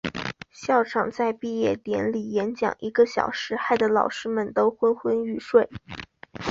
校长在毕业典礼演讲一个小时，害得老师们都昏昏欲睡。